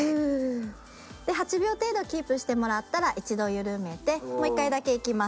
８秒程度キープしてもらったら一度緩めてもう一回だけいきましょう。